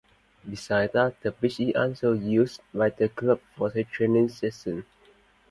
Besides that, the pitch is also used by the club for their training sessions.